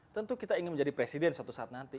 tentu kita ingin menjadi presiden suatu saat nanti